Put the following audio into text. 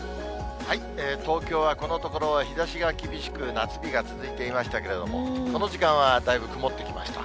東京はこのところは、日ざしが厳しく、夏日が続いていましたけれども、この時間はだいぶ曇ってきました。